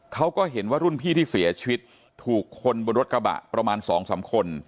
เขาก็เห็นว่ารุ่นพี่ที่เสียชีวิตถูกคนบนรถกระบะประมาณ๒๓คน